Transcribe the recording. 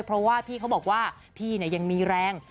เพราะว่าพี่เขาบอกว่าพี่ยังมีแรง